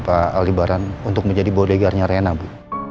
pak aldibaran untuk menjadi bodegarnya rena bu